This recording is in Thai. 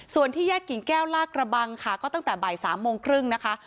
ส่วนที่แยกกิ่งแก้วลากระบังค่ะก็ตั้งแต่บ่าย๓โมงครึ่งนะคะ